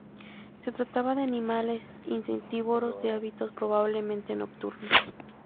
Se trata de animales insectívoros de hábitos probablemente nocturnos.